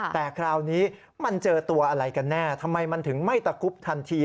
แต่คราวนี้มันเจอตัวอะไรกันแน่ทำไมมันถึงไม่ตะคุบทันที